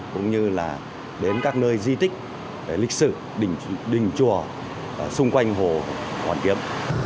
cũng như là đến các nơi di tích lịch sử đình chùa xung quanh hồ hoàn kiếm